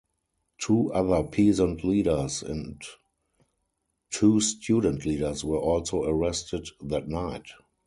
Two other peasant leaders and two student leaders were also arrested that night.